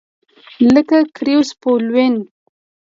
لکه ګریزوفولوین.